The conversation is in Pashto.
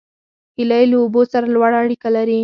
هیلۍ له اوبو سره لوړه اړیکه لري